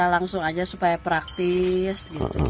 langsung aja supaya praktis